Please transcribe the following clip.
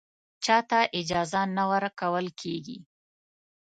چا ته اجازه نه ورکول کېږي